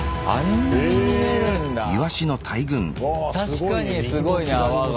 確かにすごいね泡が。